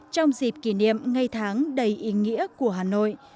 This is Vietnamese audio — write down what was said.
trong dịp kỷ niệm ngày tháng đầy ý nghĩa của hà nội